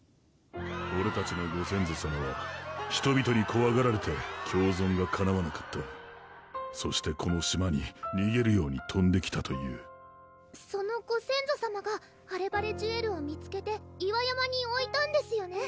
オレたちのご先祖さまは人々にこわがられて共存がかなわなかったそしてこの島ににげるようにとんできたというそのご先祖さまがハレバレジュエルを見つけて岩山においたんですよね